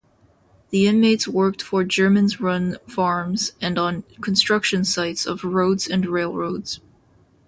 The inmates worked for Germans-run farms, and on construction sites of roads and railroads.